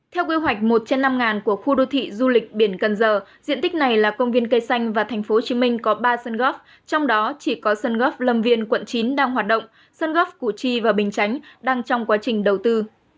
theo quy hoạch một trên năm của khu đô thị du lịch biển cần giờ diện tích này là công viên cây xanh và tp hcm có ba sân góp trong đó chỉ có sân góp lâm viên quận chín đang hoạt động sân góp củ chi và bình chánh đang trong quá trình đầu tư